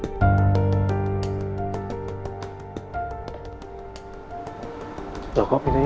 ini coba coba jangan kalau dispersed itsewanya